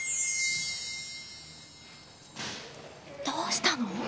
どうしたの？